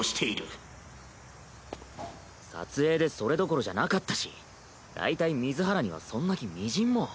撮影でそれどころじゃなかったしだいたい水原にはそんな気微塵も。